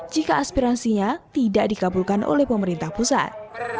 jika aspirasinya tidak dikabulkan oleh pemerintah pusat